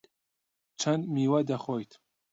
چەند میوە دەخۆیت؟